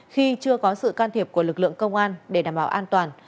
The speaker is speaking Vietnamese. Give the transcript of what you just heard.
khi chưa có sự can thiệp của lực lượng công an để đảm bảo an toàn